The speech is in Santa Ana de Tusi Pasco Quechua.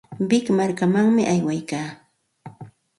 Wik markamanmi aywaykaa.